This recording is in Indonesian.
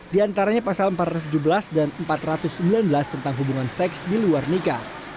di antaranya pasal empat ratus tujuh belas dan empat ratus sembilan belas tentang hubungan seks di luar nikah